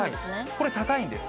これ、高いんです。